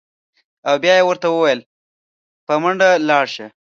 او بیا یې ورته ویل: په منډه لاړ شه.